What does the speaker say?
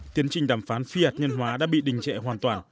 tiến trình đàm phán phi hạt nhân hóa đã bị đình trệ hoàn toàn